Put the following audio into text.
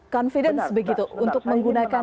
confidence begitu untuk menggunakan